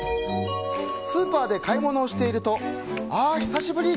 スーパーで買い物をしているとあ、久しぶり！